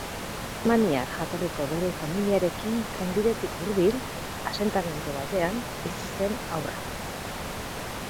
Errumaniar jatorriko bere familiarekin trenbidetik hurbil, asentamendu batean, bizi zen haurra.